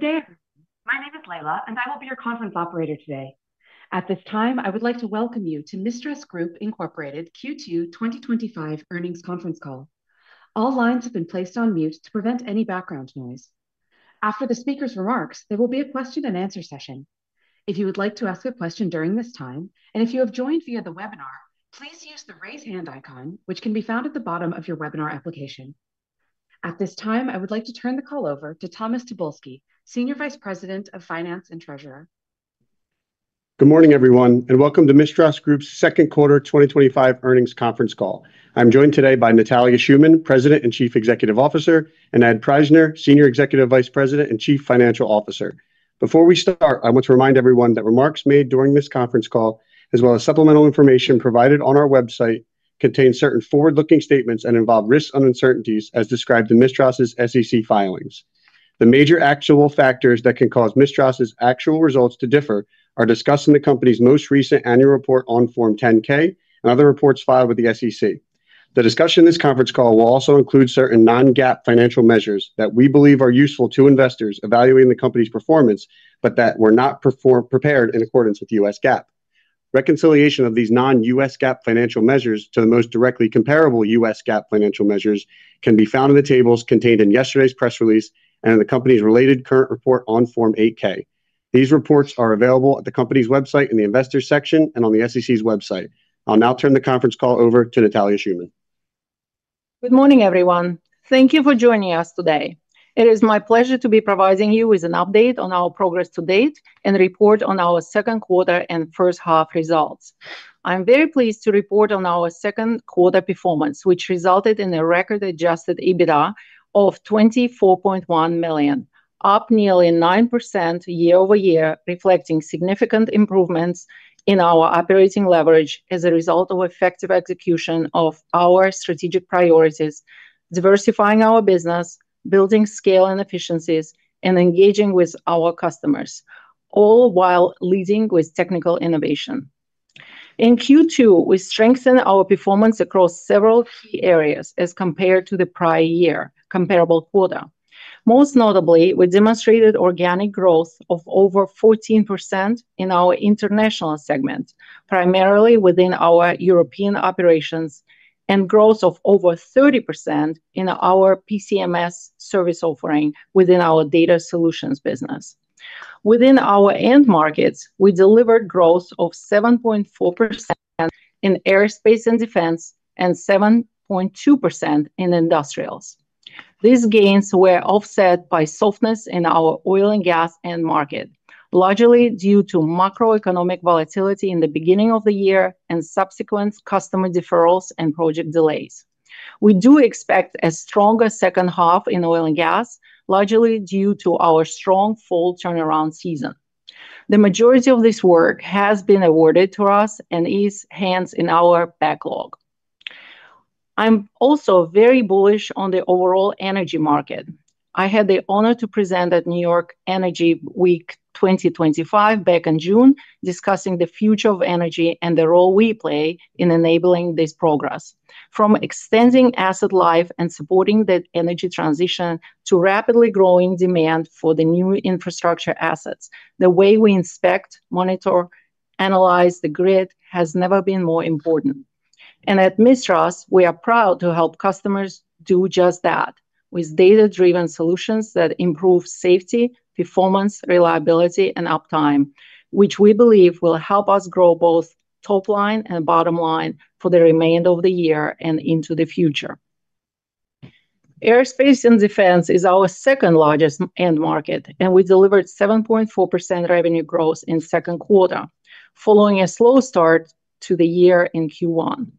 Good day everyone. My name is Leila, and I will be your conference operator today. At this time, I would like to welcome you to MISTRAS Group, Inc. Q2 2025 earnings conference call. All lines have been placed on mute to prevent any background noise. After the speaker's remarks, there will be a question and answer session. If you would like to ask a question during this time, and if you have joined via the webinar, please use the raise hand icon, which can be found at the bottom of your webinar application. At this time, I would like to turn the call over to Thomas Tobolski, Senior Vice President of Finance and Treasurer. Good morning everyone, and welcome to MISTRAS Group's Second Quarter 2025 Earnings Conference Call. I'm joined today by Natalia Shuman, President and Chief Executive Officer, and Ed Prajzner, Senior Executive Vice President and Chief Financial Officer. Before we start, I want to remind everyone that remarks made during this conference call, as well as supplemental information provided on our website, contain certain forward-looking statements and involve risk uncertainties as described in MISTRAS' SEC filings. The major actual factors that can cause MISTRAS' actual results to differ are discussed in the company's most recent annual report on Form 10-K and other reports filed with the SEC. The discussion in this conference call will also include certain non-GAAP financial measures that we believe are useful to investors evaluating the company's performance, but that were not prepared in accordance with the U.S. GAAP. Reconciliation of these non-U.S. GAAP financial measures to the most directly comparable U.S. GAAP financial measures can be found in the tables contained in yesterday's press release and in the company's related current report on Form 8-K. These reports are available at the company's website in the investors section and on the SEC's website. I'll now turn the conference call over to Natalia Shuman. Good morning everyone. Thank you for joining us today. It is my pleasure to be providing you with an update on our progress to date and report on our second quarter and first half results. I'm very pleased to report on our second quarter performance, which resulted in a record adjusted EBITDA of $24.1 million, up nearly 9% year-over-year, reflecting significant improvements in our operating leverage as a result of effective execution of our strategic priorities, diversifying our business, building scale and efficiencies, and engaging with our customers, all while leading with technical innovation. In Q2, we strengthened our performance across several key areas as compared to the prior year's comparable quarter. Most notably, we demonstrated organic growth of over 14% in our international segment, primarily within our European operations, and growth of over 30% in our PCMS service offering within our data solutions business. Within our end markets, we delivered growth of 7.4% in aerospace and defense and 7.2% in industrials. These gains were offset by softness in our oil and gas end market, largely due to macroeconomic volatility in the beginning of the year and subsequent customer deferrals and project delays. We do expect a stronger second half in oil and gas, largely due to our strong fall turnaround season. The majority of this work has been awarded to us and is hence in our backlog. I'm also very bullish on the overall energy market. I had the honor to present at New York Energy Week 2025 back in June, discussing the future of energy and the role we play in enabling this progress. From extending asset life and supporting that energy transition to rapidly growing demand for the new infrastructure assets, the way we inspect, monitor, and analyze the grid has never been more important. At MISTRAS, we are proud to help customers do just that with data-driven solutions that improve safety, performance, reliability, and uptime, which we believe will help us grow both top line and bottom line for the remainder of the year and into the future. Aerospace and defense is our second largest end market, and we delivered 7.4% revenue growth in the second quarter, following a slow start to the year in Q1.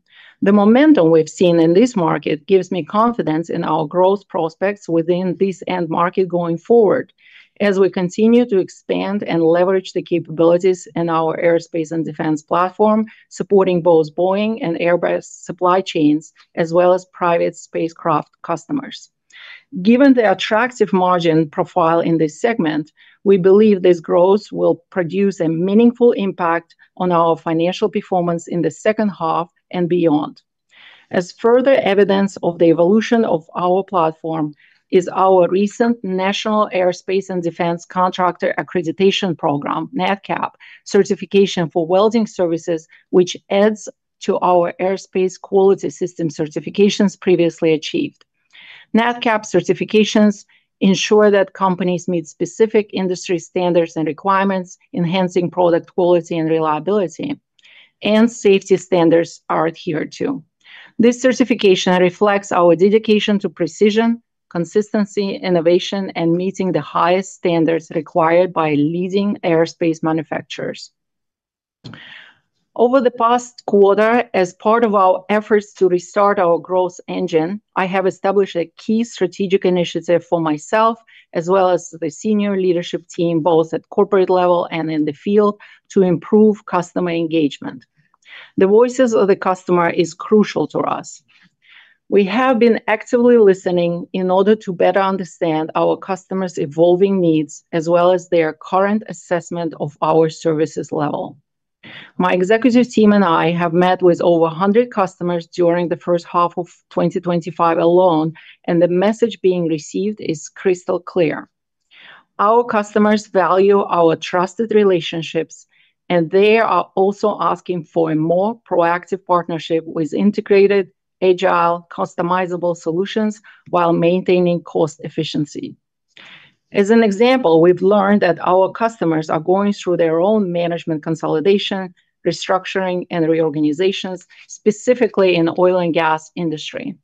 The momentum we've seen in this market gives me confidence in our growth prospects within this end market going forward, as we continue to expand and leverage the capabilities in our aerospace and defense platform, supporting both Boeing and Airbus supply chains, as well as private spacecraft customers. Given the attractive margin profile in this segment, we believe this growth will produce a meaningful impact on our financial performance in the second half and beyond. As further evidence of the evolution of our platform is our recent National Aerospace and Defense Contractor Accreditation Program (NADCAP) certification for welding services, which adds to our aerospace quality system certifications previously achieved. NADCAP certifications ensure that companies meet specific industry standards and requirements, enhancing product quality and reliability, and safety standards are adhered to. This certification reflects our dedication to precision, consistency, innovation, and meeting the highest standards required by leading aerospace manufacturers. Over the past quarter, as part of our efforts to restart our growth engine, I have established a key strategic initiative for myself, as well as the Senior Leadership Team, both at the corporate level and in the field, to improve customer engagement. The voices of the customer are crucial to us. We have been actively listening in order to better understand our customers' evolving needs, as well as their current assessment of our services level. My executive team and I have met with over 100 customers during the first half of 2025 alone, and the message being received is crystal clear. Our customers value our trusted relationships, and they are also asking for a more proactive partnership with integrated, agile, customizable solutions while maintaining cost efficiency. As an example, we've learned that our customers are going through their own management consolidation, restructuring, and reorganizations, specifically in the oil and gas industry.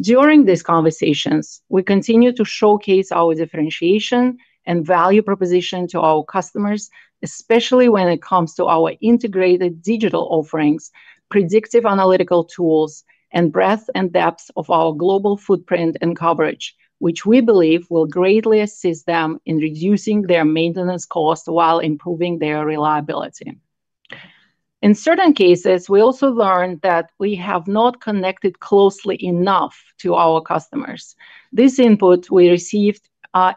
During these conversations, we continue to showcase our differentiation and value proposition to our customers, especially when it comes to our integrated digital offerings, predictive analytical tools, and breadth and depth of our global footprint and coverage, which we believe will greatly assist them in reducing their maintenance costs while improving their reliability. In certain cases, we also learned that we have not connected closely enough to our customers. This input we received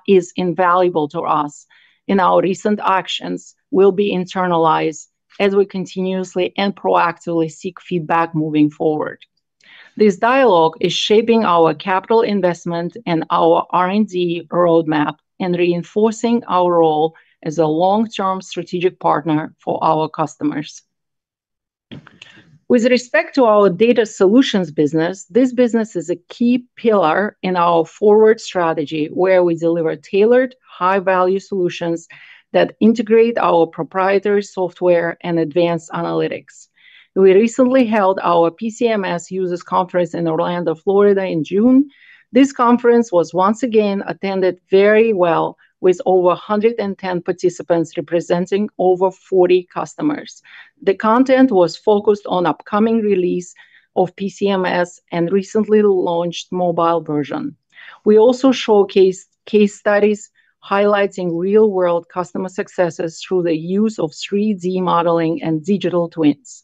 is invaluable to us, and our recent actions will be internalized as we continuously and proactively seek feedback moving forward. This dialogue is shaping our capital investment and our R&D roadmap and reinforcing our role as a long-term strategic partner for our customers. With respect to our data solutions business, this business is a key pillar in our forward strategy, where we deliver tailored, high-value solutions that integrate our proprietary software and advanced analytics. We recently held our PCMS users conference in Orlando, Florida, in June. This conference was once again attended very well, with over 110 participants representing over 40 customers. The content was focused on the upcoming release of PCMS and the recently launched mobile version. We also showcased case studies highlighting real-world customer successes through the use of 3D modeling and digital twins.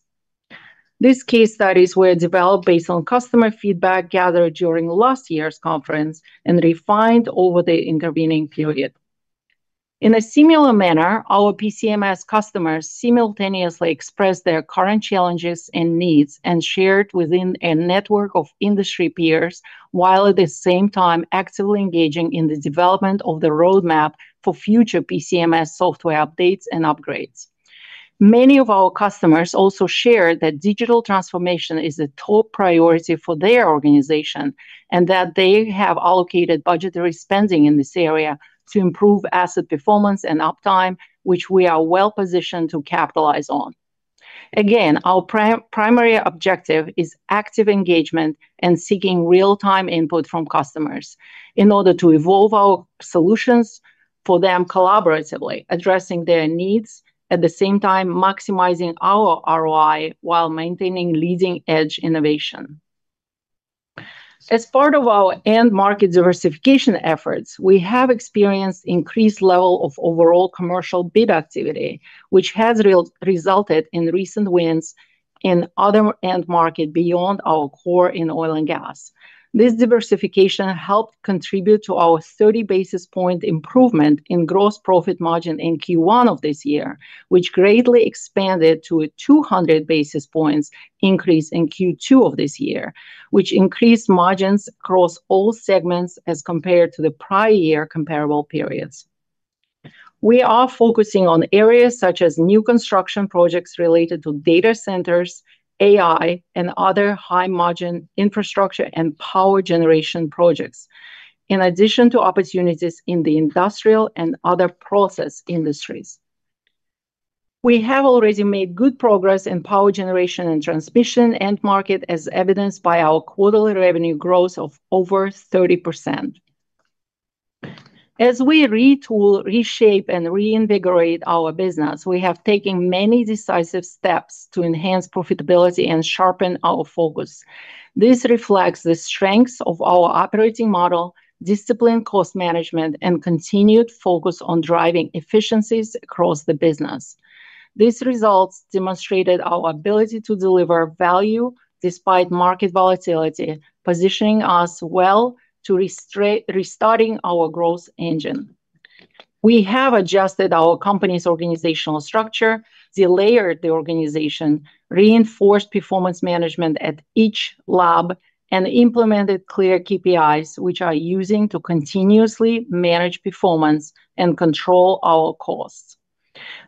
These case studies were developed based on customer feedback gathered during last year's conference and refined over the intervening period. In a similar manner, our PCMS customers simultaneously expressed their current challenges and needs and shared within a network of industry peers, while at the same time actively engaging in the development of the roadmap for future PCMS software updates and upgrades. Many of our customers also shared that digital transformation is a top priority for their organization and that they have allocated budgetary spending in this area to improve asset performance and uptime, which we are well positioned to capitalize on. Again, our primary objective is active engagement and seeking real-time input from customers in order to evolve our solutions for them collaboratively, addressing their needs, at the same time maximizing our ROI while maintaining leading-edge innovation. As part of our end market diversification efforts, we have experienced an increased level of overall commercial bid activity, which has resulted in recent wins in other end markets beyond our core in oil and gas. This diversification helped contribute to our 30 basis point improvement in gross profit margin in Q1 of this year, which greatly expanded to a 200 basis points increase in Q2 of this year, which increased margins across all segments as compared to the prior year comparable periods. We are focusing on areas such as new construction projects related to data centers, AI, and other high-margin infrastructure and power generation projects, in addition to opportunities in the industrial and other process industries. We have already made good progress in the power generation and transmission end market, as evidenced by our quarterly revenue growth of over 30%. As we retool, reshape, and reinvigorate our business, we have taken many decisive steps to enhance profitability and sharpen our focus. This reflects the strengths of our operating model, disciplined cost management, and continued focus on driving efficiencies across the business. These results demonstrated our ability to deliver value despite market volatility, positioning us well to restarting our growth engine. We have adjusted our company's organizational structure, delayered the organization, reinforced performance management at each lab, and implemented clear KPIs, which are used to continuously manage performance and control our costs.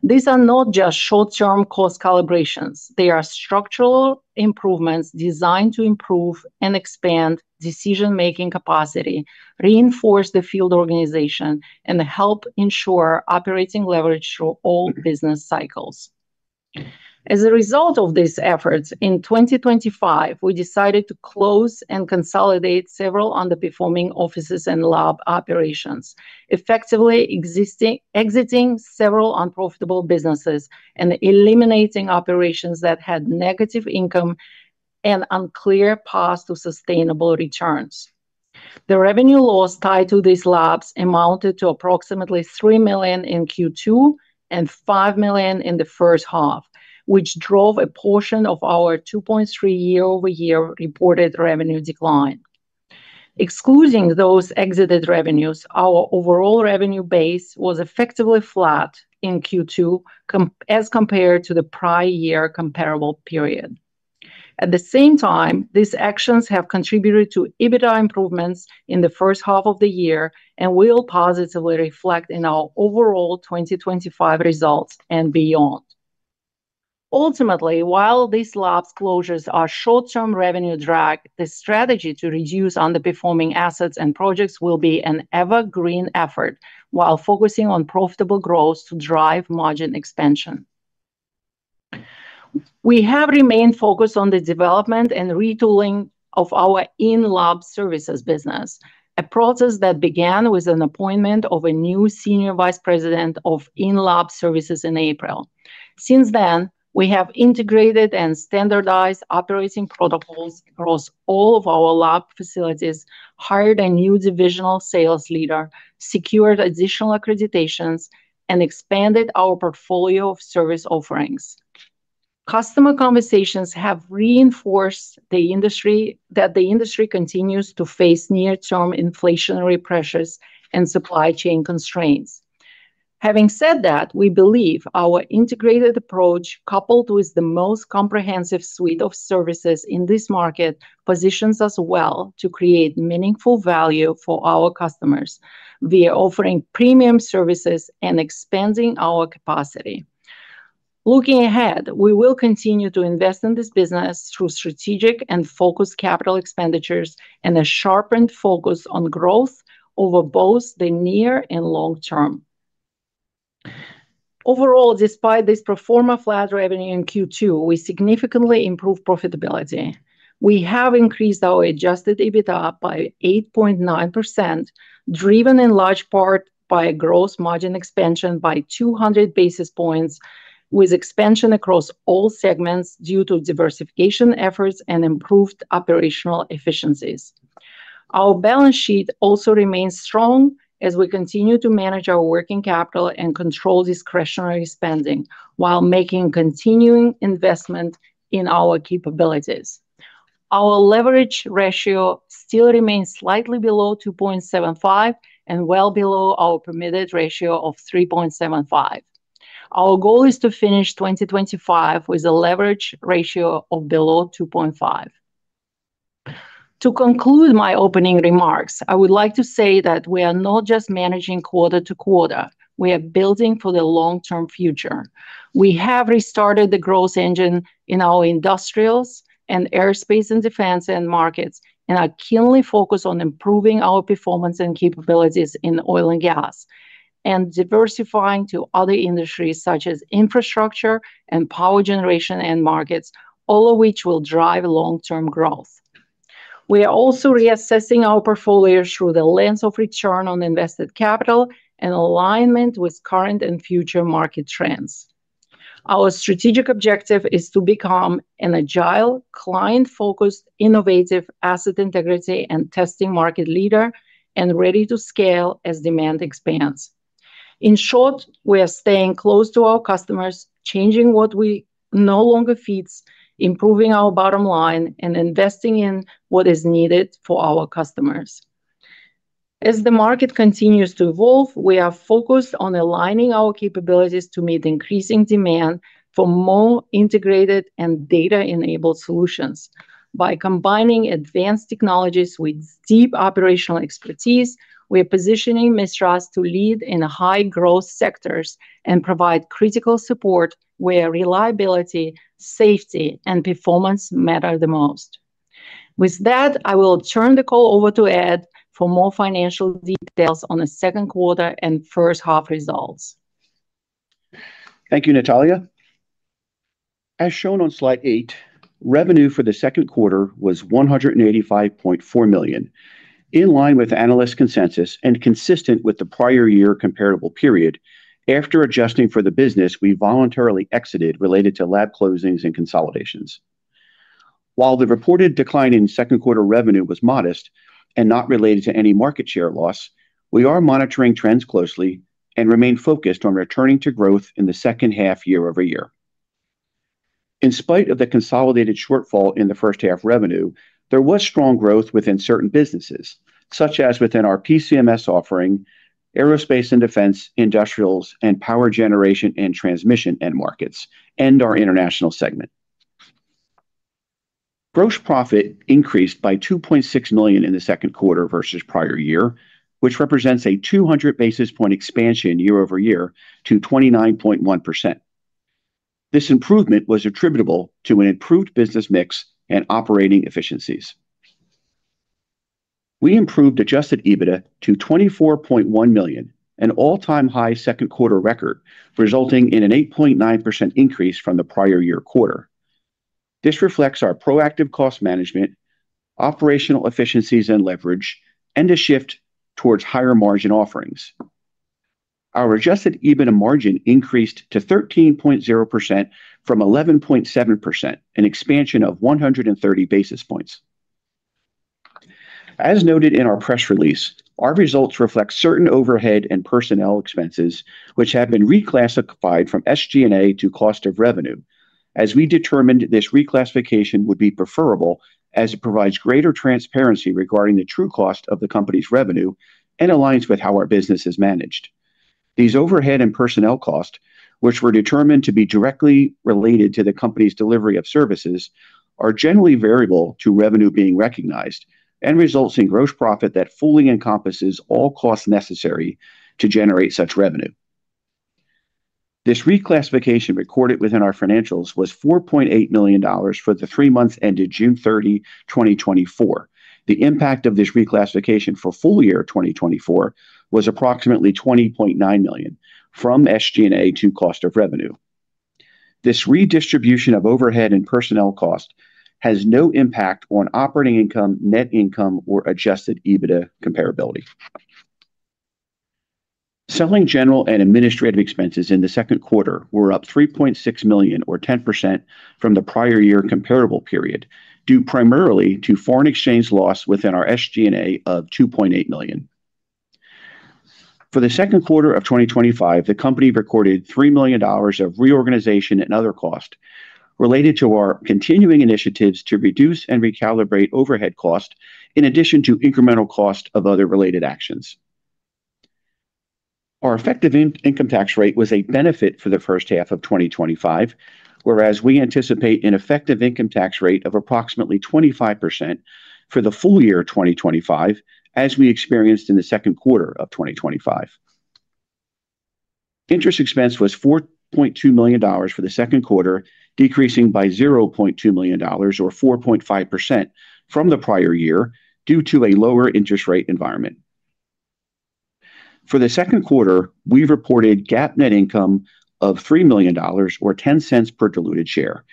These are not just short-term cost calibrations, they are structural improvements designed to improve and expand decision-making capacity, reinforce the field organization, and help ensure operating leverage through all business cycles. As a result of these efforts, in 2025, we decided to close and consolidate several underperforming offices and lab operations, effectively exiting several unprofitable businesses and eliminating operations that had negative income and unclear paths to sustainable returns. The revenue loss tied to these labs amounted to approximately $3 million in Q2 and $5 million in the first half, which drove a portion of our 2.3% year-over-year reported revenue decline. Excluding those exited revenues, our overall revenue base was effectively flat in Q2 as compared to the prior year comparable period. At the same time, these actions have contributed to EBITDA improvements in the first half of the year and will positively reflect in our overall 2025 results and beyond. Ultimately, while these labs' closures are short-term revenue drag, the strategy to reduce underperforming assets and projects will be an evergreen effort, while focusing on profitable growth to drive margin expansion. We have remained focused on the development and retooling of our in-lab services business, a process that began with an appointment of a new Senior Vice President of In-Lab Services in April. Since then, we have integrated and standardized operating protocols across all of our lab facilities, hired a new divisional sales leader, secured additional accreditations, and expanded our portfolio of service offerings. Customer conversations have reinforced that the industry continues to face near-term inflationary pressures and supply chain constraints. Having said that, we believe our integrated approach, coupled with the most comprehensive suite of services in this market, positions us well to create meaningful value for our customers via offering premium services and expanding our capacity. Looking ahead, we will continue to invest in this business through strategic and focused capital expenditures and a sharpened focus on growth over both the near and long term. Overall, despite this performance of flat revenue in Q2, we significantly improved profitability. We have increased our adjusted EBITDA by 8.9%, driven in large part by a gross profit margin expansion by 200 basis points, with expansion across all segments due to diversification efforts and improved operational efficiencies. Our balance sheet also remains strong as we continue to manage our working capital and control discretionary spending while making continuing investment in our capabilities. Our leverage ratio still remains slightly below 2.75 and well below our permitted ratio of 3.75. Our goal is to finish 2025 with a leverage ratio of below 2.5. To conclude my opening remarks, I would like to say that we are not just managing quarter to quarter, we are building for the long-term future. We have restarted the growth engine in our industrials, aerospace, and defense end markets and are keenly focused on improving our performance and capabilities in oil and gas and diversifying to other industries such as infrastructure and power generation end markets, all of which will drive long-term growth. We are also reassessing our portfolio through the lens of return on invested capital and alignment with current and future market trends. Our strategic objective is to become an agile, client-focused, innovative, asset integrity, and testing market leader and ready to scale as demand expands. In short, we are staying close to our customers, changing what no longer fits, improving our bottom line, and investing in what is needed for our customers. As the market continues to evolve, we are focused on aligning our capabilities to meet increasing demand for more integrated and data-enabled solutions. By combining advanced technologies with deep operational expertise, we are positioning MISTRAS to lead in high-growth sectors and provide critical support where reliability, safety, and performance matter the most. With that, I will turn the call over to Ed for more financial details on the second quarter and first half results. Thank you, Natalia. As shown on slide eight, revenue for the second quarter was $185.4 million, in line with analyst consensus and consistent with the prior year comparable period, after adjusting for the business we voluntarily exited related to lab closings and consolidations. While the reported decline in second quarter revenue was modest and not related to any market share loss, we are monitoring trends closely and remain focused on returning to growth in the second half year-over-year. In spite of the consolidated shortfall in the first half revenue, there was strong growth within certain businesses, such as within our PCMS offering, aerospace and defense, industrials, and power generation and transmission end markets, and our international segment. Gross profit increased by $2.6 million in the second quarter versus prior year, which represents a 200 basis point expansion year-over-year to 29.1%. This improvement was attributable to an improved business mix and operating efficiencies. We improved adjusted EBITDA to $24.1 million, an all-time high second quarter record, resulting in an 8.9% increase from the prior year quarter. This reflects our proactive cost management, operational efficiencies, and leverage, and a shift towards higher margin offerings. Our adjusted EBITDA margin increased to 13.0% from 11.7%, an expansion of 130 basis points. As noted in our press release, our results reflect certain overhead and personnel expenses, which have been reclassified from SG&A to cost of revenue, as we determined this reclassification would be preferable as it provides greater transparency regarding the true cost of the company's revenue and aligns with how our business is managed. These overhead and personnel costs, which were determined to be directly related to the company's delivery of services, are generally variable to revenue being recognized and result in gross profit that fully encompasses all costs necessary to generate such revenue. This reclassification recorded within our financials was $4.8 million for the three months ended June 30, 2024. The impact of this reclassification for full year 2024 was approximately $20.9 million from SG&A to cost of revenue. This redistribution of overhead and personnel cost has no impact on operating income, net income, or adjusted EBITDA comparability. Selling, general and administrative expenses in the second quarter were up $3.6 million, or 10% from the prior year comparable period, due primarily to foreign exchange loss within our SG&A of $2.8 million. For the second quarter of 2025, the company recorded $3 million of reorganization and other costs related to our continuing initiatives to reduce and recalibrate overhead costs, in addition to incremental costs of other related actions. Our effective income tax rate was a benefit for the first half of 2025, whereas we anticipate an effective income tax rate of approximately 25% for the full year 2025, as we experienced in the second quarter of 2025. Interest expense was $4.2 million for the second quarter, decreasing by $0.2 million, or 4.5% from the prior year, due to a lower interest rate environment. For the second quarter, we reported GAAP net income of $3 million, or $0.10 per diluted share.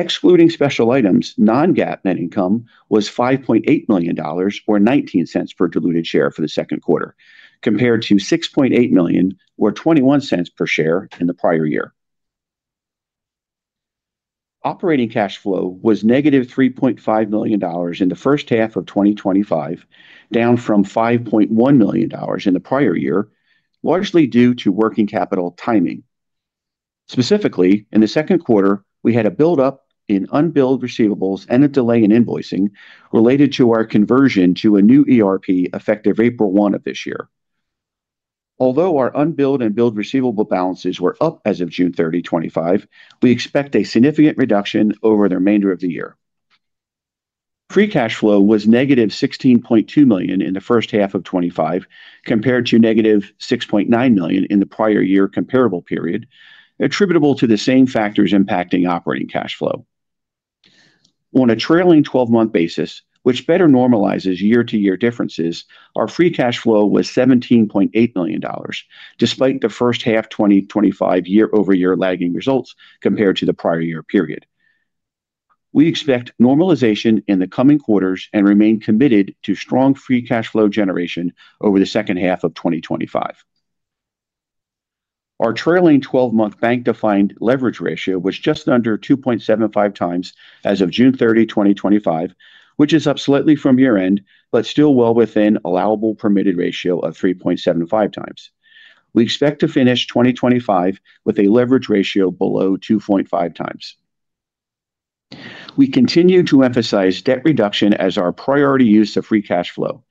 Excluding special items, non-GAAP net income was $5.8 million, or $0.19 per diluted share for the second quarter, compared to $6.8 million, or $0.21 per share in the prior year. Operating cash flow was negative $3.5 million in the first half of 2025, down from $5.1 million in the prior year, largely due to working capital timing. Specifically, in the second quarter, we had a buildup in unbilled receivables and a delay in invoicing related to our conversion to a new ERP effective April 1 of this year. Although our unbilled and billed receivable balances were up as of June 30, 2025, we expect a significant reduction over the remainder of the year. Free cash flow was -$16.2 million in the first half of 2025 compared to -$6.9 million in the prior year comparable period, attributable to the same factors impacting operating cash flow. On a trailing 12-month basis, which better normalizes year-to-year differences, our free cash flow was $17.8 million, despite the first half 2025 year-over-year lagging results compared to the prior year period. We expect normalization in the coming quarters and remain committed to strong free cash flow generation over the second half of 2025. Our trailing 12-month bank-defined leverage ratio was just under 2.75 times as of June 30, 2025, which is up slightly from year-end, but still well within allowable permitted ratio of 3.75x. We expect to finish 2025 with a leverage ratio below 2.5x. We continue to emphasize debt reduction as our priority use of free cash flow.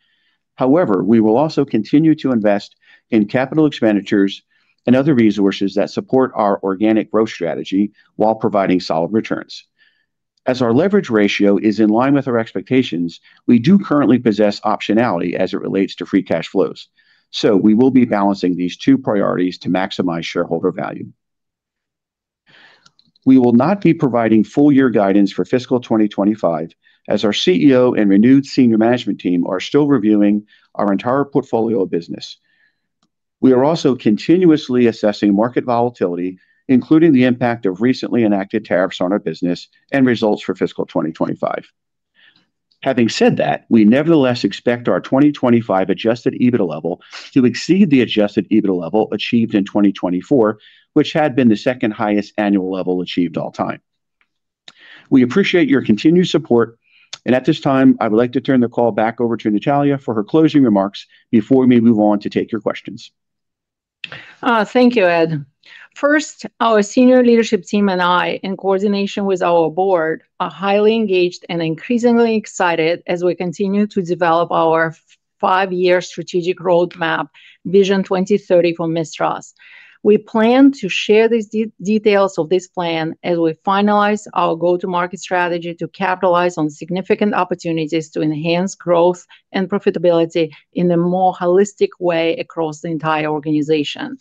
However, we will also continue to invest in capital expenditures and other resources that support our organic growth strategy while providing solid returns. As our leverage ratio is in line with our expectations, we do currently possess optionality as it relates to free cash flows, so we will be balancing these two priorities to maximize shareholder value. We will not be providing full-year guidance for fiscal 2025, as our CEO and renewed senior management team are still reviewing our entire portfolio of business. We are also continuously assessing market volatility, including the impact of recently enacted tariffs on our business and results for fiscal 2025. Having said that, we nevertheless expect our 2025 adjusted EBITDA level to exceed the adjusted EBITDA level achieved in 2024, which had been the second highest annual level achieved all time. We appreciate your continued support, and at this time, I would like to turn the call back over to Natalia for her closing remarks before we move on to take your questions. Thank you, Ed. First, our Senior Leadership Team and I, in coordination with our Board, are highly engaged and increasingly excited as we continue to develop our five-year strategic roadmap, Vision 2030 for MISTRAS. We plan to share the details of this plan as we finalize our go-to-market strategy to capitalize on significant opportunities to enhance growth and profitability in a more holistic way across the entire organization.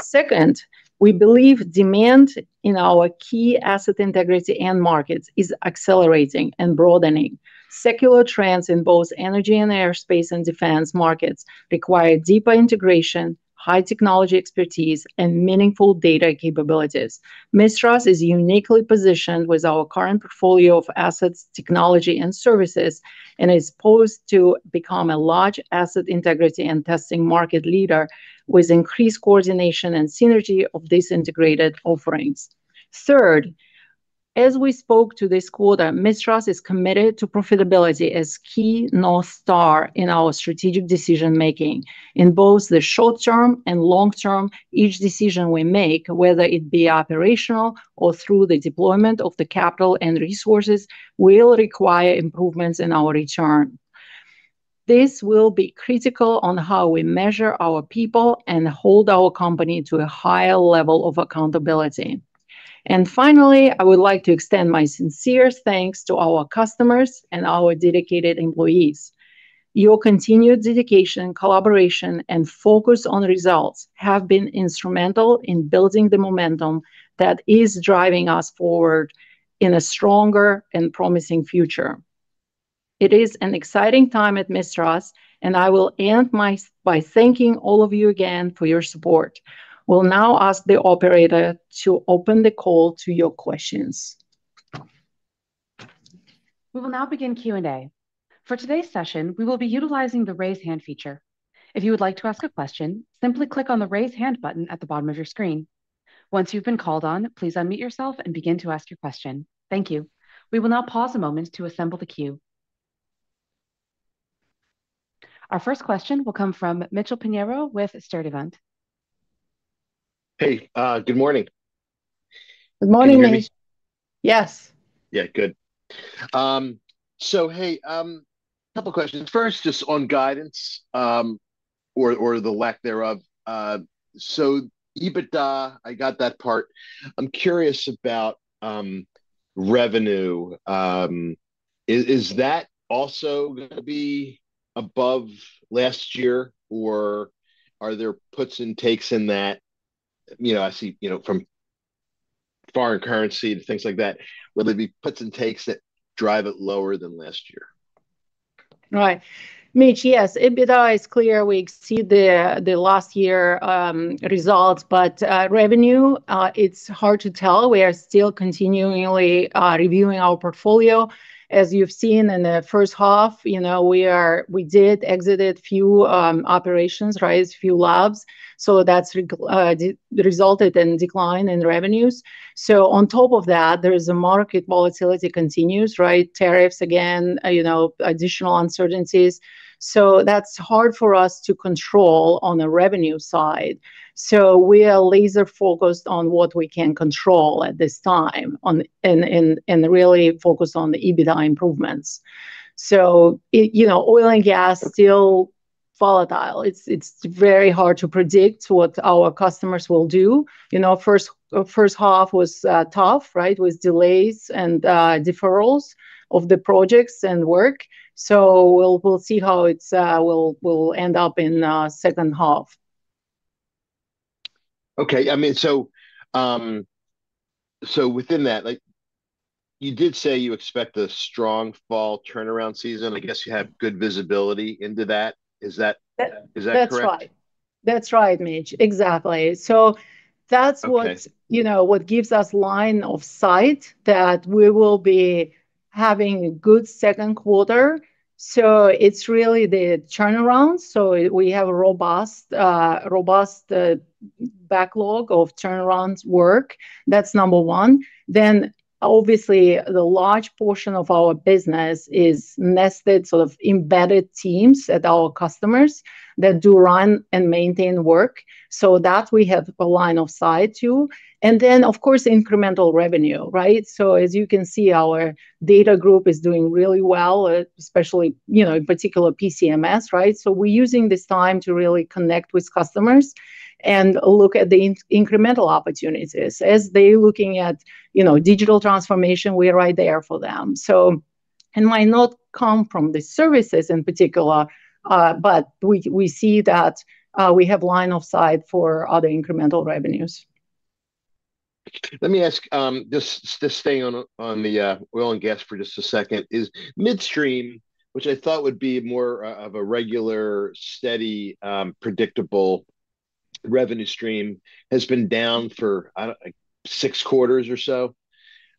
Second, we believe demand in our key asset integrity end markets is accelerating and broadening. Secular trends in both energy and aerospace and defense markets require deeper integration, high-technology expertise, and meaningful data capabilities. MISTRAS is uniquely positioned with our current portfolio of assets, technology, and services, and is poised to become a large asset integrity and testing market leader with increased coordination and synergy of these integrated offerings. Third, as we spoke to this quarter, MISTRAS is committed to profitability as a key North Star in our strategic decision-making. In both the short term and long term, each decision we make, whether it be operational or through the deployment of the capital and resources, will require improvements in our return. This will be critical on how we measure our people and hold our company to a higher level of accountability. Finally, I would like to extend my sincere thanks to our customers and our dedicated employees. Your continued dedication, collaboration, and focus on results have been instrumental in building the momentum that is driving us forward in a stronger and promising future. It is an exciting time at MISTRAS, and I will end by thanking all of you again for your support. We'll now ask the operator to open the call to your questions. We will now begin Q&A. For today's session, we will be utilizing the Raise Hand feature. If you would like to ask a question, simply click on the Raise Hand button at the bottom of your screen. Once you've been called on, please unmute yourself and begin to ask your question. Thank you. We will now pause a moment to assemble the queue. Our first question will come from Mitchell Pinheiro with Sturdivant. Hey, good morning. Good morning, Mitch. Yes. Yeah, good. A couple of questions. First, just on guidance or the lack thereof. EBITDA, I got that part. I'm curious about revenue. Is that also going to be above last year, or are there puts and takes in that? I see, from foreign currency to things like that, will there be puts and takes that drive it lower than last year? Right. Mitch, yes, EBITDA is clear. We exceed the last year results, but revenue, it's hard to tell. We are still continually reviewing our portfolio. As you've seen in the first half, you know, we did exit a few operations, right, a few labs. That's resulted in a decline in revenues. On top of that, there is a market volatility continues, right, tariffs again, you know, additional uncertainties. That's hard for us to control on the revenue side. We are laser-focused on what we can control at this time and really focus on the EBITDA improvements. You know, oil and gas is still volatile. It's very hard to predict what our customers will do. The first half was tough, right, with delays and deferrals of the projects and work. We'll see how it will end up in the second half. Okay. I mean, within that, you did say you expect a strong fall turnaround season. I guess you had good visibility into that. Is that correct? That's right. That's right, Mitch. Exactly. That's what gives us line of sight that we will be having a good second quarter. It's really the turnaround. We have a robust backlog of turnaround work. That's number one. Obviously, the large portion of our business is nested, sort of embedded teams at our customers that do run and maintain work. We have a line of sight to that. Of course, incremental revenue, right? As you can see, our data group is doing really well, especially, in particular, PCMS, right? We're using this time to really connect with customers and look at the incremental opportunities. As they're looking at digital transformation, we're right there for them. It might not come from the services in particular, but we see that we have a line of sight for other incremental revenues. Let me ask, just staying on the oil and gas for just a second, is midstream, which I thought would be more of a regular, steady, predictable revenue stream, has been down for, I don't know, six quarters or so.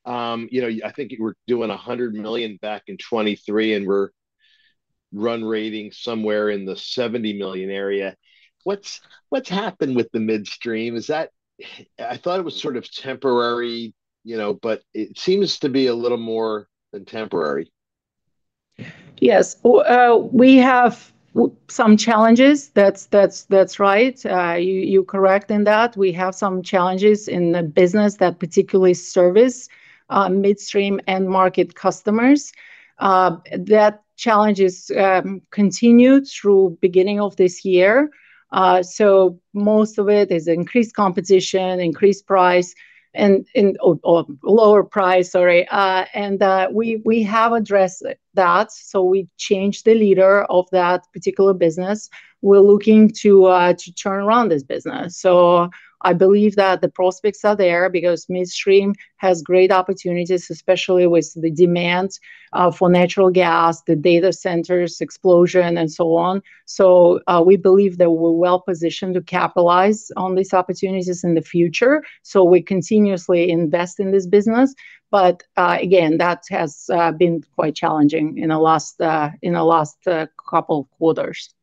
I think we're doing $100 million back in 2023, and we're run rating somewhere in the $70 million area. What's happened with the midstream? I thought it was sort of temporary, you know, but it seems to be a little more than temporary. Yes, we have some challenges. That's right. You're correct in that. We have some challenges in the business that particularly service midstream end market customers. That challenge has continued through the beginning of this year. Most of it is increased competition, increased price, and lower price, sorry. We have addressed that. We changed the leader of that particular business. We're looking to turn around this business. I believe that the prospects are there because midstream has great opportunities, especially with the demand for natural gas, the data centers explosion, and so on. We believe that we're well positioned to capitalize on these opportunities in the future. We continuously invest in this business. Again, that has been quite challenging in the last couple of quarters.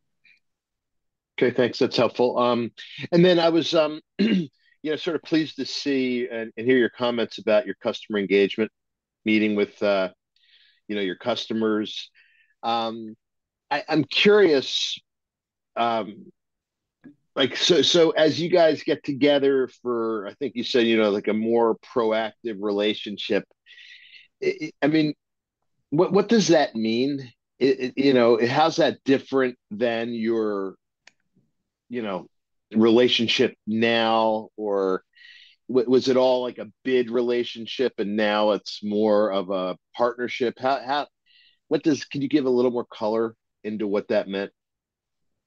Okay, thanks. That's helpful. I was sort of pleased to see and hear your comments about your customer engagement, meeting with, you know, your customers. I'm curious, like, as you guys get together for, I think you said, you know, like a more proactive relationship. I mean, what does that mean? You know, how's that different than your, you know, relationship now? Was it all like a bid relationship and now it's more of a partnership? Can you give a little more color into what that meant?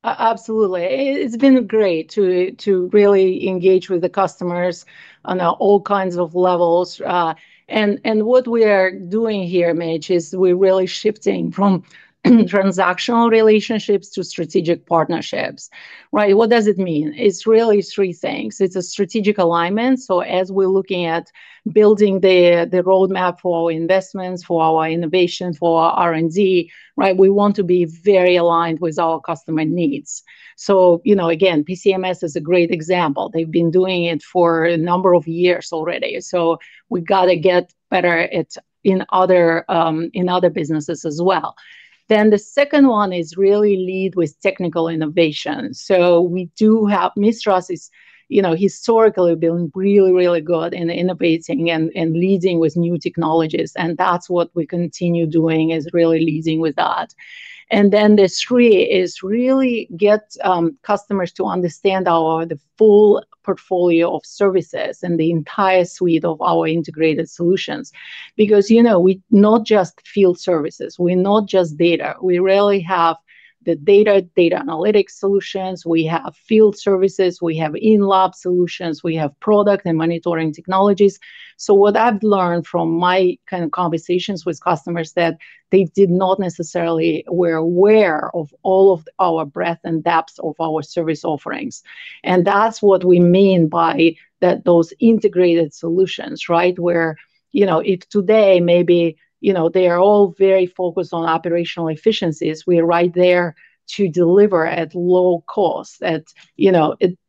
Absolutely. It's been great to really engage with the customers on all kinds of levels. What we are doing here, Mitch, is we're really shifting from transactional relationships to strategic partnerships, right? What does it mean? It's really three things. It's a strategic alignment. As we're looking at building the roadmap for our investments, for our innovation, for our R&D, we want to be very aligned with our customer needs. PCMS is a great example. They've been doing it for a number of years already. We've got to get better in other businesses as well. The second one is really lead with technical innovation. MISTRAS has historically been really, really good in innovating and leading with new technologies. That's what we continue doing, really leading with that. The third is really get customers to understand our full portfolio of services and the entire suite of our integrated solutions. We're not just field services. We're not just data. We really have the data analytics solutions. We have field services. We have in-lab solutions. We have product and monitoring technologies. What I've learned from my conversations with customers is that they did not necessarily be aware of all of our breadth and depth of our service offerings. That's what we mean by those integrated solutions, right? If today maybe they are all very focused on operational efficiencies, we're right there to deliver at low cost,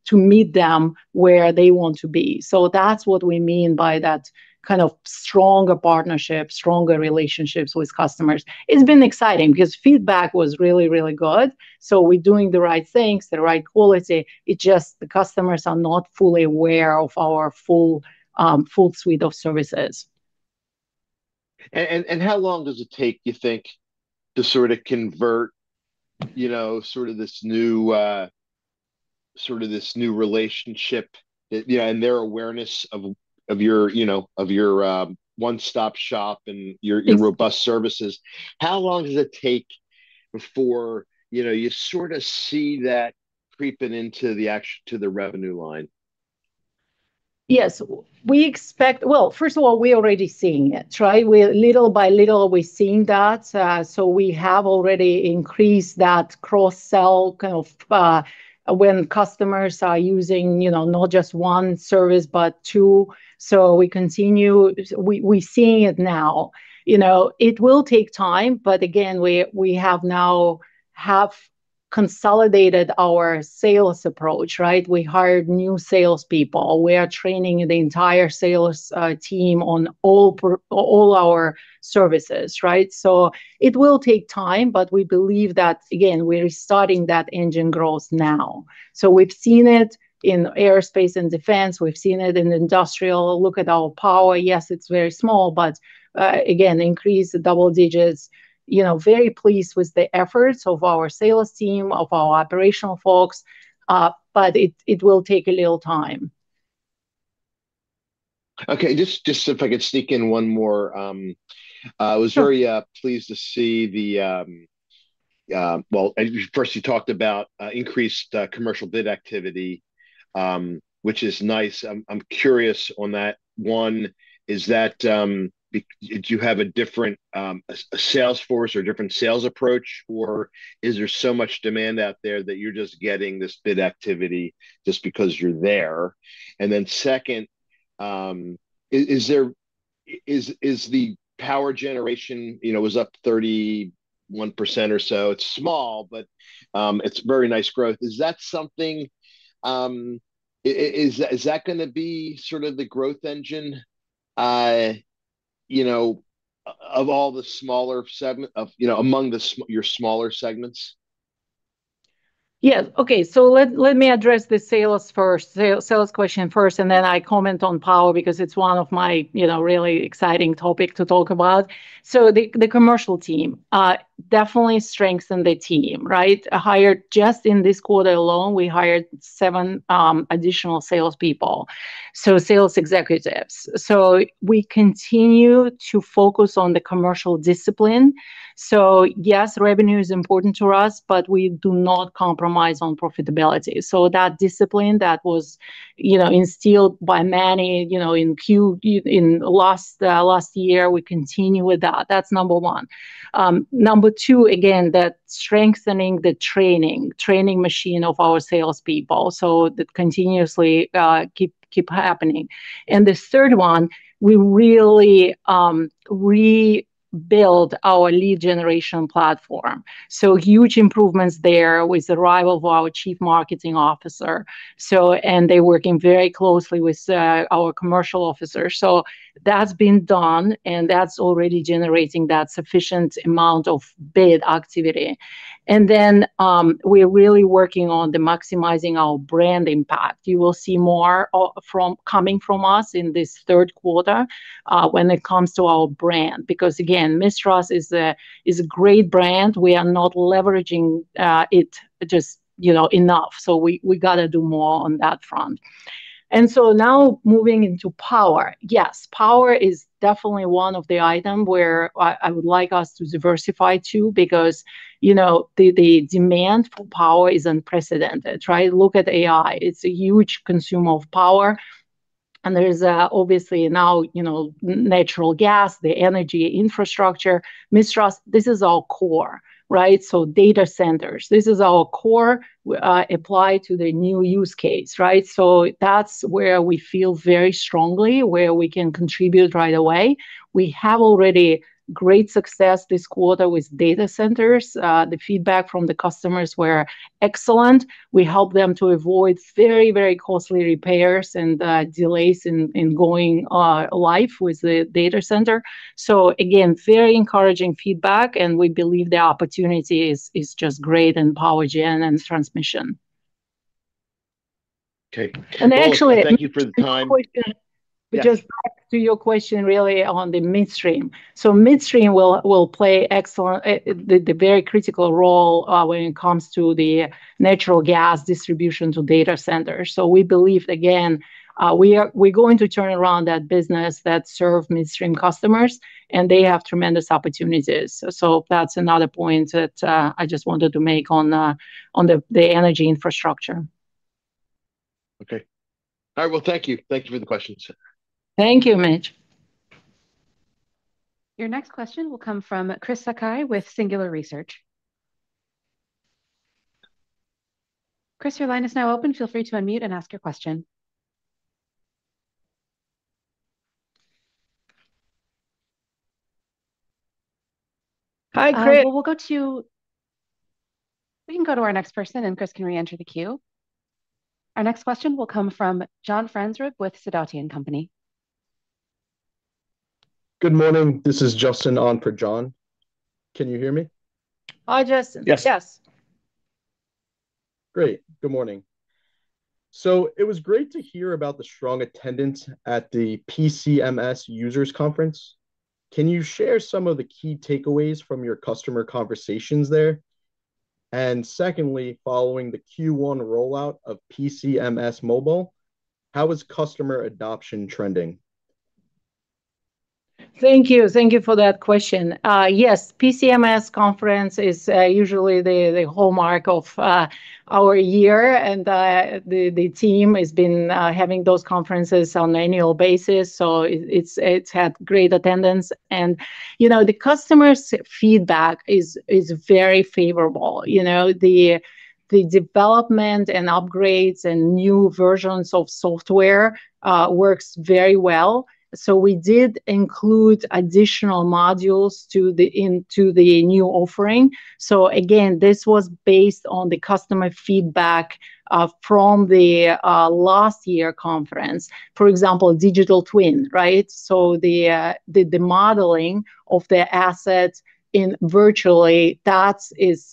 to meet them where they want to be. That's what we mean by that kind of stronger partnership, stronger relationships with customers. It's been exciting because feedback was really, really good. We're doing the right things, the right quality. It's just the customers are not fully aware of our full suite of services. How long does it take, you think, to sort of convert this new relationship and their awareness of your one-stop shop and your robust services? How long does it take before you see that creeping into the actual revenue line? Yes, we expect, first of all, we're already seeing it, right? Little by little, we're seeing that. We have already increased that cross-sell kind of when customers are using, you know, not just one service, but two. We continue, we're seeing it now. It will take time, but again, we have now consolidated our sales approach, right? We hired new salespeople. We are training the entire sales team on all our services, right? It will take time, but we believe that, again, we're starting that engine growth now. We've seen it in aerospace and defense. We've seen it in industrial. Look at our power. Yes, it's very small, but again, increased double digits. Very pleased with the efforts of our sales team, of our operational folks, but it will take a little time. Okay, just if I could sneak in one more, I was very pleased to see the, first you talked about increased commercial bid activity, which is nice. I'm curious on that. One, is that, do you have a different sales force or a different sales approach, or is there so much demand out there that you're just getting this bid activity just because you're there? Second, is the power generation, you know, was up 31% or so. It's small, but it's very nice growth. Is that something, is that going to be sort of the growth engine, you know, of all the smaller segments, you know, among your smaller segments? Okay, let me address the sales question first, and then I comment on power because it's one of my really exciting topics to talk about. The commercial team definitely strengthened the team, right? Hired just in this quarter alone, we hired seven additional salespeople, so sales executives. We continue to focus on the commercial discipline. Yes, revenue is important to us, but we do not compromise on profitability. That discipline that was instilled by many in Q, in the last year, we continue with that. That's number one. Number two, again, strengthening the training machine of our salespeople. That continuously keeps happening. The third one, we really rebuilt our lead generation platform. Huge improvements there with the arrival of our Chief Marketing Officer, and they're working very closely with our commercial officers. That's been done, and that's already generating that sufficient amount of bid activity. We're really working on maximizing our brand impact. You will see more coming from us in this third quarter when it comes to our brand, because again, MISTRAS is a great brand. We are not leveraging it just enough. We got to do more on that front. Now moving into power. Yes, power is definitely one of the items where I would like us to diversify to, because the demand for power is unprecedented, right? Look at AI. It's a huge consumer of power. There's obviously now natural gas, the energy infrastructure. MISTRAS, this is our core, right? Data centers, this is our core applied to the new use case, right? That's where we feel very strongly, where we can contribute right away. We have already great success this quarter with data centers. The feedback from the customers was excellent. We helped them to avoid very, very costly repairs and delays in going live with the data center. Very encouraging feedback, and we believe the opportunity is just great in power generation and transmission. Okay. Thank you for the time. Just to your question, really, on the midstream. Midstream will play an excellent, very critical role when it comes to the natural gas distribution to data centers. We believe again, we're going to turn around that business that serves midstream customers, and they have tremendous opportunities. That's another point that I just wanted to make on the energy infrastructure. Okay. All right, thank you. Thank you for the questions. Thank you, Mitch. Your next question will come from Chris Sakai with Singular Research. Chris, your line is now open. Feel free to unmute and ask your question. Hi, Chris. We can go to our next person and Chris can re-enter the queue. Our next question will come from John Franzreb with Sidoti & Company. Good morning. This is Justin on for John. Can you hear me? Hi, Justin. Yes. Great. Good morning. It was great to hear about the strong attendance at the PCMS users conference. Can you share some of the key takeaways from your customer conversations there? Secondly, following the Q1 rollout of PCMS Mobile, how is customer adoption trending? Thank you. Thank you for that question. Yes, the PCMS conference is usually the hallmark of our year, and the team has been having those conferences on an annual basis. It has had great attendance, and the customer feedback is very favorable. The development and upgrades and new versions of software work very well. We did include additional modules to the new offering. This was based on the customer feedback from the last year conference. For example, Digital Twin, right? The modeling of the assets virtually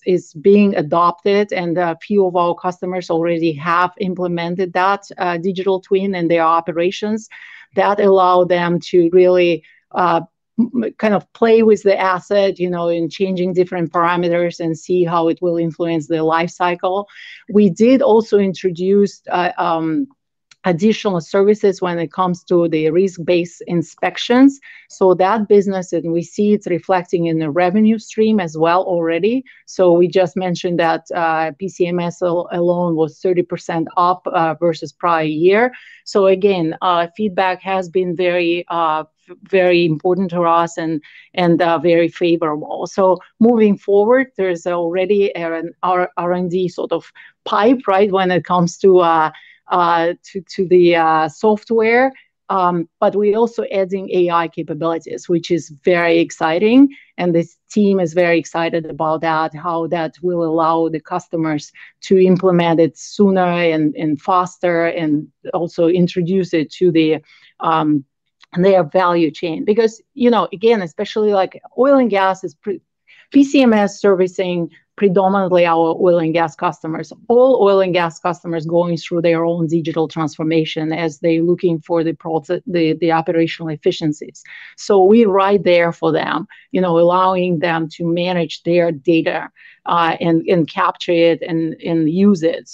is being adopted, and a few of our customers already have implemented that Digital Twin in their operations. That allows them to really kind of play with the asset, changing different parameters and seeing how it will influence their lifecycle. We did also introduce additional services when it comes to the risk-based inspections. That business is reflecting in the revenue stream as well already. We just mentioned that PCMS alone was 30% up versus prior year. Feedback has been very, very important to us and very favorable. Moving forward, there's already an R&D sort of pipe when it comes to the software. We're also adding AI capabilities, which is very exciting. The team is very excited about that, how that will allow the customers to implement it sooner and faster and also introduce it to their value chain. Especially oil and gas, as PCMS is servicing predominantly our oil and gas customers. All oil and gas customers are going through their own digital transformation as they're looking for operational efficiencies. We're right there for them, allowing them to manage their data and capture it and use it.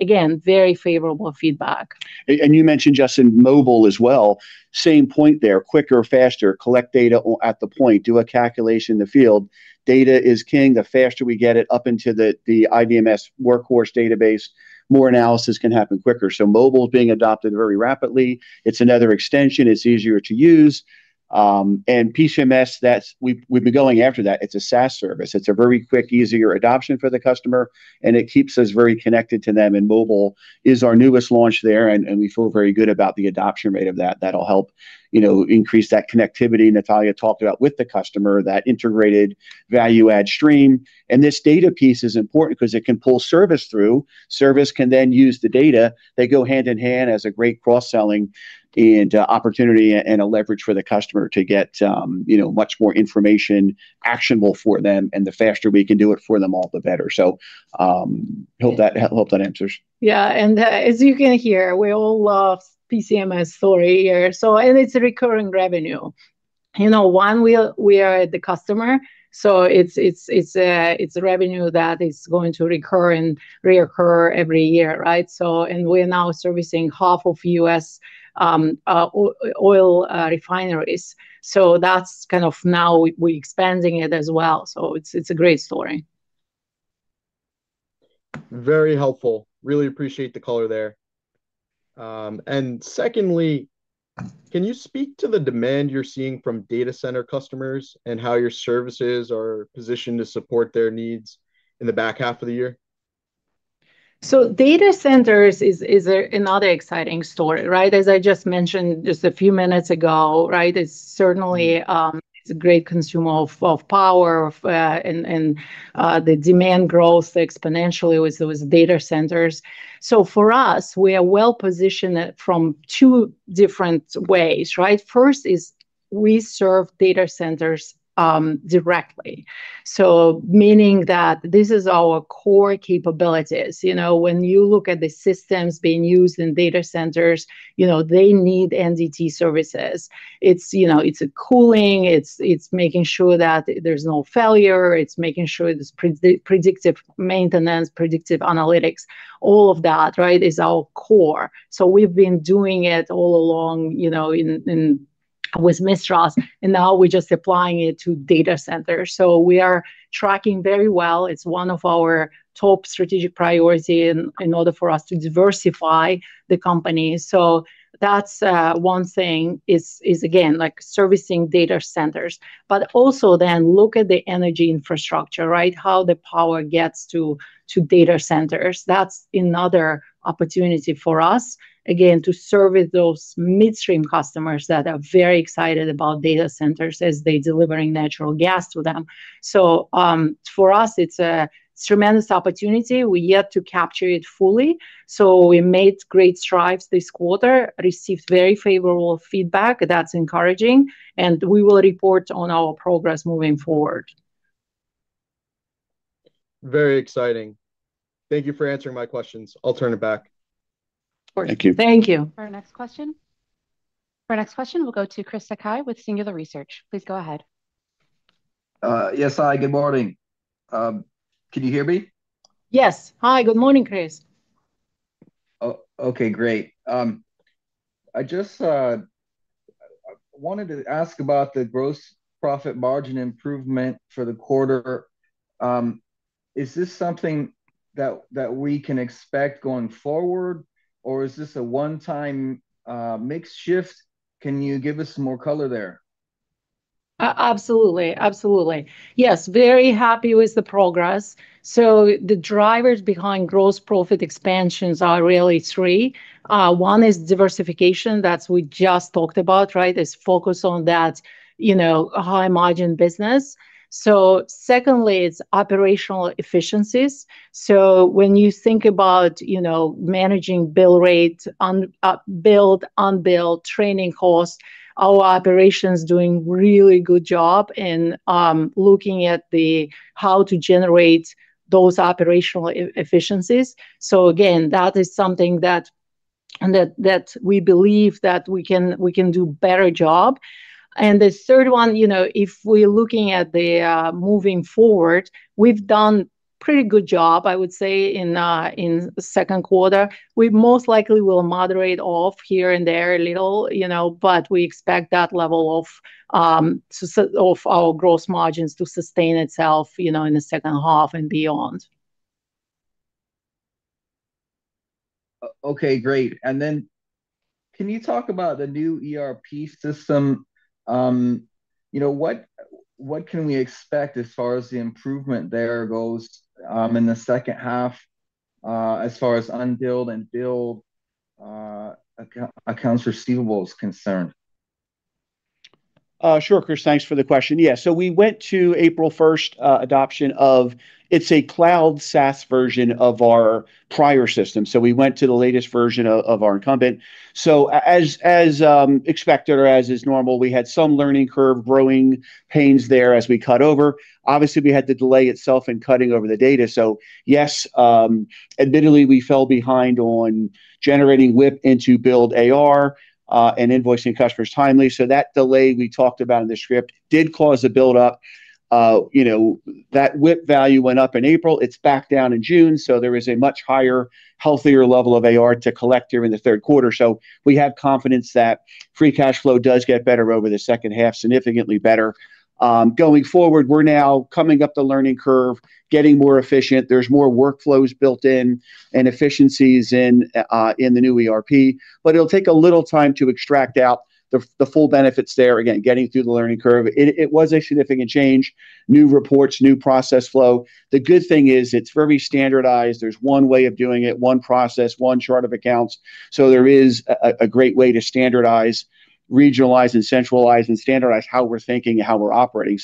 Very favorable feedback. You mentioned PCMS Mobile as well. Same point there: quicker, faster, collect data at the point, do a calculation in the field. Data is king. The faster we get it up into the IBMS workhorse database, more analysis can happen quicker. PCMS Mobile is being adopted very rapidly. It's another extension. It's easier to use. With PCMS, we've been going after that. It's a SaaS service. It's a very quick, easier adoption for the customer, and it keeps us very connected to them. PCMS Mobile is our newest launch there, and we feel very good about the adoption rate of that. That'll help increase that connectivity Natalia talked about with the customer, that integrated value-add stream. This data piece is important because it can pull service through. Service can then use the data. They go hand in hand as a great cross-selling opportunity and a leverage for the customer to get much more information actionable for them. The faster we can do it for them all, the better. I hope that helps, that answers. Yeah, as you can hear, we all love the PCMS story here. It's a recurring revenue. You know, one, we are at the customer, so it's a revenue that is going to recur and reoccur every year, right? We're now servicing half of U.S. oil refineries, so that's kind of now we're expanding it as well. It's a great story. Very helpful. I really appreciate the color there. Secondly, can you speak to the demand you're seeing from data center customers and how your services are positioned to support their needs in the back half of the year? Data centers is another exciting story, right? As I just mentioned a few minutes ago, it's certainly a great consumer of power and the demand grows exponentially with those data centers. For us, we are well positioned from two different ways. First is we serve data centers directly, meaning that this is our core capabilities. You know, when you look at the systems being used in data centers, they need non-destructive testing services. It's a cooling, it's making sure that there's no failure, it's making sure there's predictive maintenance, predictive analytics. All of that is our core. We've been doing it all along with MISTRAS, and now we're just applying it to data centers. We are tracking very well. It's one of our top strategic priorities in order for us to diversify the company. That's one thing, servicing data centers. Also, then look at the energy infrastructure, how the power gets to data centers. That's another opportunity for us to service those midstream customers that are very excited about data centers as they're delivering natural gas to them. For us, it's a tremendous opportunity. We're yet to capture it fully. We made great strides this quarter, received very favorable feedback. That's encouraging, and we will report on our progress moving forward. Very exciting. Thank you for answering my questions. I'll turn it back. Thank you. For our next question, we'll go to Chris Sakai with Singular Research. Please go ahead. Yes, hi. Good morning. Can you hear me? Yes. Hi. Good morning, Chris. Okay, great. I just wanted to ask about the gross profit margin improvement for the quarter. Is this something that we can expect going forward, or is this a one-time mixed shift? Can you give us some more color there? Absolutely. Yes, very happy with the progress. The drivers behind gross profit expansions are really three. One is diversification that we just talked about, right? It's focused on that high-margin business. Secondly, it's operational efficiencies. When you think about managing bill rates, build, unbuild, training costs, our operation is doing a really good job in looking at how to generate those operational efficiencies. That is something that we believe that we can do a better job. The third one, if we're looking at moving forward, we've done a pretty good job, I would say, in the second quarter. We most likely will moderate off here and there a little, but we expect that level of our gross margins to sustain itself in the second half and beyond. Okay, great. Can you talk about the new ERP system? What can we expect as far as the improvement there goes in the second half as far as unbilled and billed accounts receivables concerned? Sure, Chris, thanks for the question. Yeah, we went to April 1st adoption of, it's a Cloud SaaS version of our prior system. We went to the latest version of our incumbent. As expected or as is normal, we had some learning curve, growing pains there as we cut over. Obviously, we had the delay itself in cutting over the data. Yes, admittedly, we fell behind on generating WIP into billed AR and invoicing customers timely. That delay we talked about in the script did cause the buildup. That WIP value went up in April. It's back down in June. There was a much higher, healthier level of AR to collect during the third quarter. We have confidence that free cash flow does get better over the second half, significantly better. Going forward, we're now coming up the learning curve, getting more efficient. There's more workflows built in and efficiencies in the new ERP, but it'll take a little time to extract out the full benefits there, again, getting through the learning curve. It was a significant change, new reports, new process flow. The good thing is it's very standardized. There's one way of doing it, one process, one chart of accounts. There is a great way to standardize, regionalize, and centralize and standardize how we're thinking and how we're operating.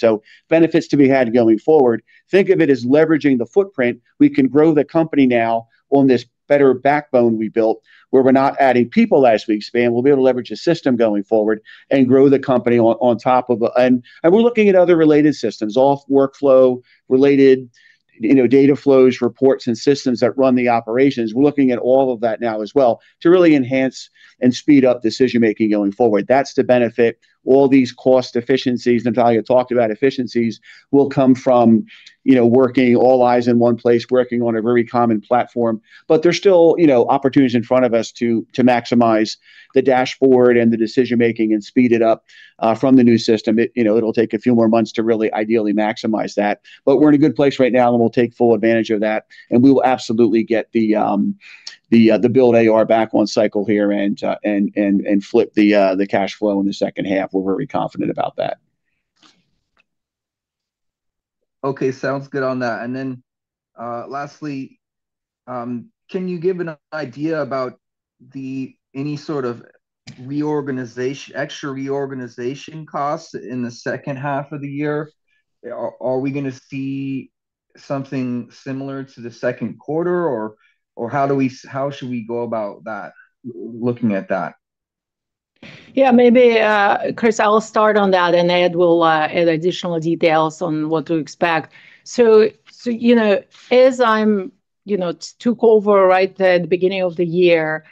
Benefits to be had going forward. Think of it as leveraging the footprint. We can grow the company now on this better backbone we built, where we're not adding people as we expand. We'll be able to leverage the system going forward and grow the company on top of it. We're looking at other related systems, all workflow related, data flows, reports, and systems that run the operations. We're looking at all of that now as well to really enhance and speed up decision-making going forward. That's the benefit. All these cost efficiencies, Natalia talked about efficiencies, will come from working all eyes in one place, working on a very common platform. There are still opportunities in front of us to maximize the dashboard and the decision-making and speed it up from the new system. It'll take a few more months to really ideally maximize that. We're in a good place right now, and we'll take full advantage of that. We will absolutely get the billed AR back on cycle here and flip the cash flow in the second half. We're very confident about that. Okay, sounds good on that. Lastly, can you give an idea about any sort of extra reorganization costs in the second half of the year? Are we going to see something similar to the second quarter, or how should we go about that, looking at that? Yeah, maybe Chris, I'll start on that, and Ed will add additional details on what to expect. As I took over at the beginning of the year,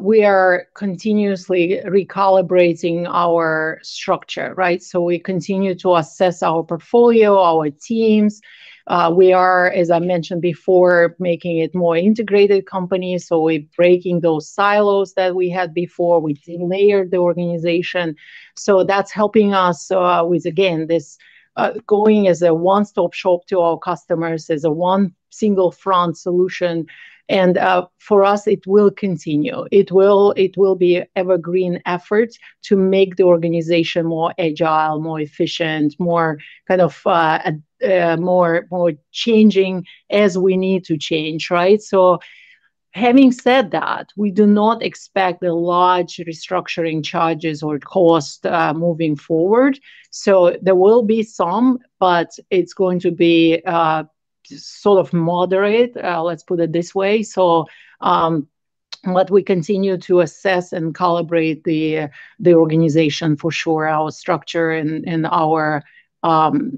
we are continuously recalibrating our structure. We continue to assess our portfolio, our teams. We are, as I mentioned before, making it a more integrated company. We're breaking those silos that we had before. We layered the organization. That's helping us with this going as a one-stop shop to our customers, as a one single front solution. For us, it will continue. It will be an evergreen effort to make the organization more agile, more efficient, more kind of more changing as we need to change. Having said that, we do not expect large restructuring charges or cost moving forward. There will be some, but it's going to be sort of moderate, let's put it this way. We continue to assess and calibrate the organization for sure, our structure and our kind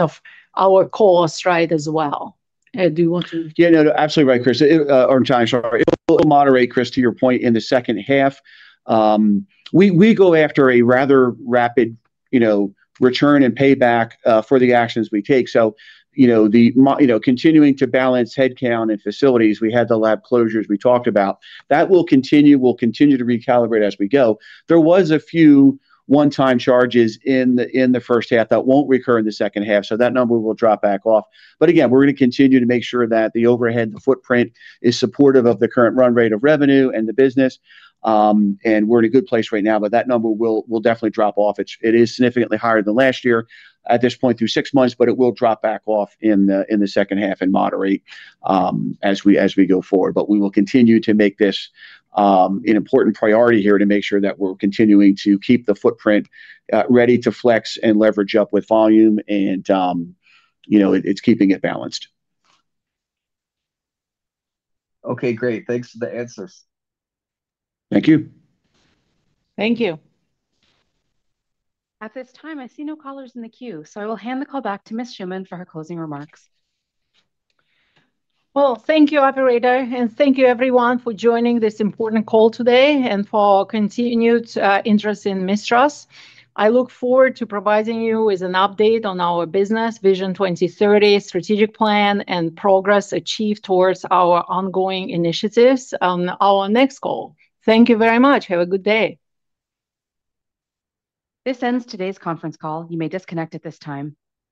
of our costs as well. Ed, do you want to? Yeah, no, absolutely right, Chris. I'm sorry, I'll moderate. Chris, to your point in the second half, we go after a rather rapid, you know, return and payback for the actions we take. You know, continuing to balance headcount and facilities, we had the lab closures we talked about. That will continue. We'll continue to recalibrate as we go. There were a few one-time charges in the first half that won't recur in the second half. That number will drop back off. Again, we're going to continue to make sure that the overhead footprint is supportive of the current run rate of revenue and the business. We're in a good place right now, but that number will definitely drop off. It is significantly higher than last year at this point through six months, but it will drop back off in the second half and moderate as we go forward. We will continue to make this an important priority here to make sure that we're continuing to keep the footprint ready to flex and leverage up with volume, and you know, it's keeping it balanced. Okay, great. Thanks for the answers. Thank you. Thank you. At this time, I see no callers in the queue, so I will hand the call back to Ms. Shuman for her closing remarks. Thank you, operator, and thank you, everyone, for joining this important call today and for continued interest in MISTRAS. I look forward to providing you with an update on our business, Vision 2030 strategic plan, and progress achieved towards our ongoing initiatives on our next call. Thank you very much. Have a good day. This ends today's conference call. You may disconnect at this time.